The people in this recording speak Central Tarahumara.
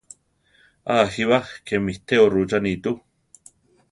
A jíba! ké mu iteó rúchani tu!